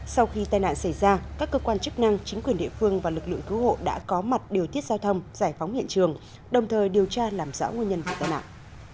sau khi tai nạn xảy ra các cơ quan chức năng chính quyền địa phương và lực lượng cứu hộ đã có mặt điều tiết giao thông giải phóng hiện trường đồng thời điều tra làm rõ nguyên nhân vụ tai nạn